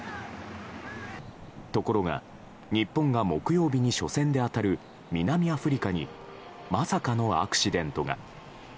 ところが、日本が木曜日に初戦で当たる南アフリカにまさかのアクシデントが。